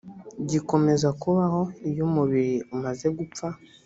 gikomeza kubaho iyo umubiri umaze gupfa